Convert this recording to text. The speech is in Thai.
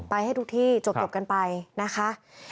ให้ทุกที่จบกันไปนะคะ